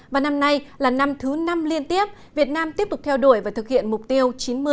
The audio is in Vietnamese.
và năm nay là năm thứ năm liên tiếp việt nam tiếp tục theo đuổi và thực hiện mục tiêu chín mươi chín mươi chín mươi